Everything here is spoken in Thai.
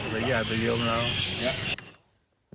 ทางสัมประสัตว์ไม่ว่าง